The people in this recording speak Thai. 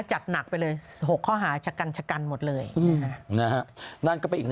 จัดหนักไปเลย๖ข้อหาชะกัน